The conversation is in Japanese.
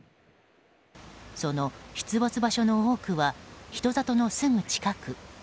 その出没場所の多くは人里のすぐ近く。